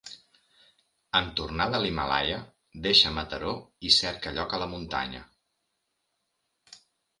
En tornar de l’Himàlaia deixa Mataró i cerca lloc a la muntanya.